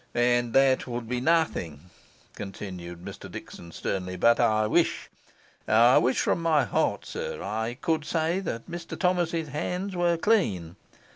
'And that would be nothing,' continued Mr Dickson sternly, 'but I wish I wish from my heart, sir, I could say that Mr Thomas's hands were clean.